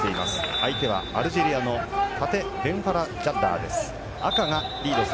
相手はアルジェリアのファテ・ベンファラジャッラーです。